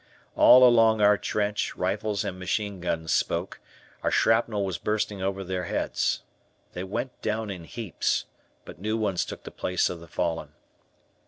All along our trench, rifles and machine guns spoke, our shrapnel was bursting over their heads. They went down in heaps, but new ones took the place of the fallen.